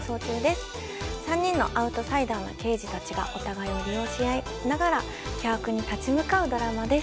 ３人のアウトサイダーな刑事たちがお互いを利用し合いながら巨悪に立ち向かうドラマです。